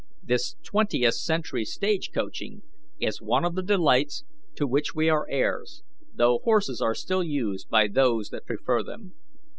This twentieth century stage coaching is one of the delights to which we are heirs, though horses are still used by those that prefer them.